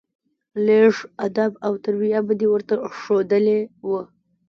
لېږ ادب او تربيه به دې ورته ښودلى وه.